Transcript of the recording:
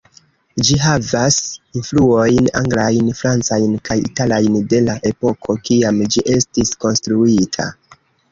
Ĝi havas influojn anglajn, francajn kaj italajn, de la epoko kiam ĝi estis konstruita.